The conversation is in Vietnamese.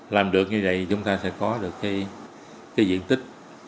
làm được như vậy chúng ta sẽ có được cái diện tích